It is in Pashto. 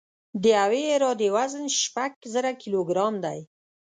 د یوې عرادې وزن شپږ زره کیلوګرام دی